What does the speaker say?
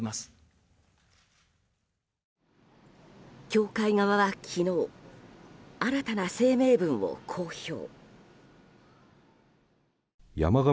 教会側は昨日、新たな声明文を公表。